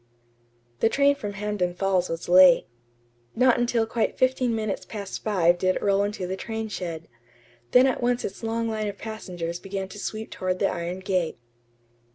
The train from Hampden Falls was late. Not until quite fifteen minutes past five did it roll into the train shed. Then at once its long line of passengers began to sweep toward the iron gate.